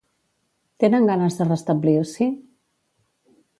Tenen ganes de restablir-s'hi?